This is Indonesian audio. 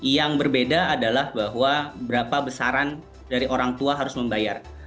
yang berbeda adalah bahwa berapa besaran dari orang tua harus membayar